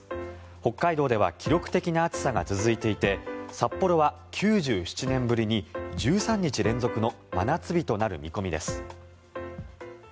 北海道では記録的な暑さが続いていて札幌は９７年ぶりに１３日連続の真夏日となる見込みです。